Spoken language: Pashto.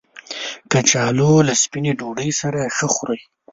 کچالو له سپینې ډوډۍ سره ښه خوري